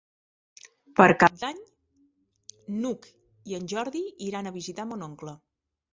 Per Cap d'Any n'Hug i en Jordi iran a visitar mon oncle.